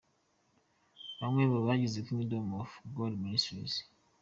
Bamwe mu bagize Kingdom of God Ministries.